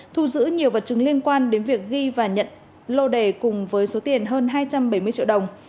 thu giữ nhiều vật chứng liên quan đến việc ghi và nhận lô đề cùng với số tiền hơn hai trăm bảy mươi triệu đồng